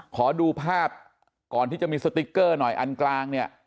ขอดูภาพก่อนที่จะมีสติ๊กเกอร์หน่อยอันกลางเนี่ย